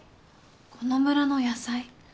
この村の野菜。